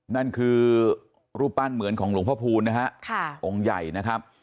นั่นคือรูปปั้นเหมือนของหลวงพ่อพูลนะฮะองค์ใหญ่นะครับ